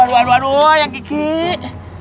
aduh aduh aduh ayang kiki